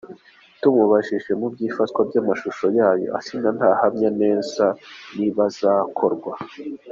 Tumubajije iby'ifatwa ry'amashusho yayo, Asinah ntahamya neza niba azakorwa.